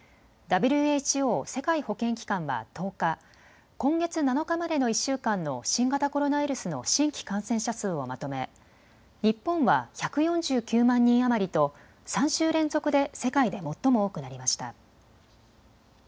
ＷＨＯ・世界保健機関は１０日、今月７日までの１週間の新型コロナウイルスの新規感染者数をまとめ日本は１４９万人余りと３週連続で世界で最も多くなりました。